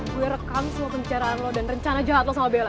gue rekam semua pembicaraan lo dan rencana jahat lo sama bella